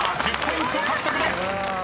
１０ポイント獲得です］